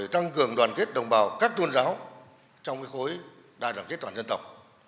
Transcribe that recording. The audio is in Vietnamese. tăng cường đoàn kết đồng bào các tôn giáo trong khối đại đoàn kết toàn dân tộc